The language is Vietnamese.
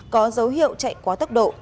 có dấu hiệu chạy quá tốc độ